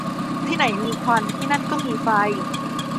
ที่ไหนมีควันที่นั่นก็มีไฟ